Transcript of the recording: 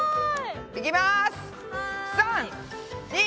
いきます！